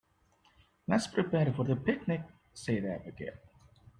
"Let's prepare for the picnic!", said Abigail.